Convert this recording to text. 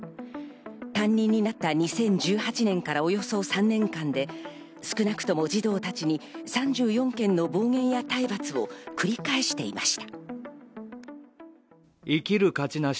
担任になった２０１８年からおよそ３年間で少なくとも児童たちに３４件の暴言や体罰を繰り返していました。